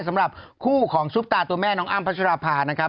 สำหรับคู่ของซุปตาตัวแม่น้องอ้ำพัชราภานะครับ